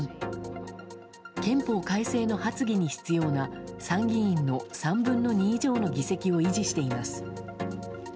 憲法改正の発議に必要な参議院の３分の２以上の議席を維持しています。